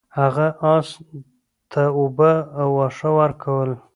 هغه اس ته اوبه او واښه ورکول.